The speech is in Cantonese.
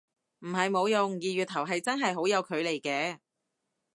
唔係冇用，二月頭係真係好有距離嘅